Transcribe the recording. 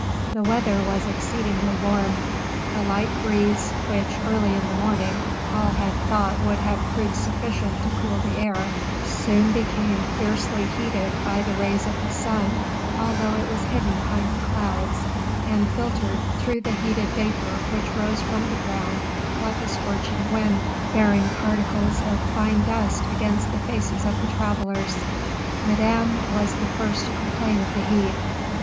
The weather was exceedingly warm; a light breeze, which, early in the morning, all had thought would have proved sufficient to cool the air, soon became fiercely heated by the rays of the sun, although it was hidden behind the clouds, and filtered through the heated vapor which rose from the ground like a scorching wind, bearing particles of fine dust against the faces of the travelers. Madame was the first to complain of the heat.